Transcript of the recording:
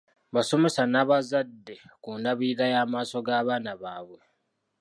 Basomesa n'abazadde ku ndabirira y'amaaso g'abaana baabwe.